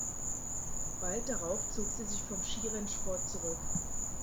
Bald darauf zog sie sich vom Skirennsport zurück.